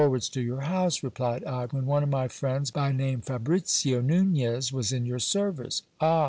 337 wards to your house, replied I, when one of my friends, by name Fabricio Nunez, was in your service. Ah